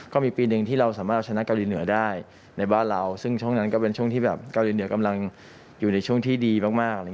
ก็มีปีหนึ่งที่เราสามารถเอาชนะเกาหลีเหนือได้ในบ้านเราซึ่งช่วงนั้นก็เป็นช่วงที่แบบเกาหลีเหนือกำลังอยู่ในช่วงที่ดีมาก